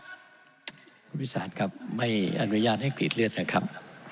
คุณวิสานครับไม่อนุญาตให้กรีดเลือดนะครับ